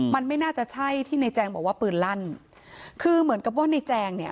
มันไม่น่าจะใช่ที่ในแจงบอกว่าปืนลั่นคือเหมือนกับว่าในแจงเนี่ย